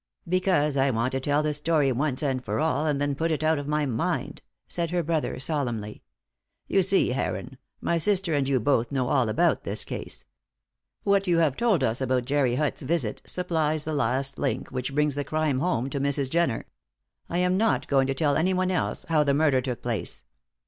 "Because I want to tell the story once and for all, and then put it out of my mind," said her brother, solemnly. "You see, Heron, my sister and you both know all about this case. What you have told us about Jerry Hutt's visit supplies the last link which brings the crime home to Mrs. Jenner. I am not going to tell anyone else how the murder took place.